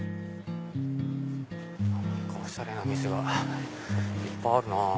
おしゃれな店がいっぱいあるなぁ。